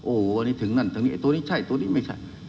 โอ้โหอันนี้ถึงนั่นถึงนี้ไอ้ตัวนี้ใช่ตัวนี้ไม่ใช่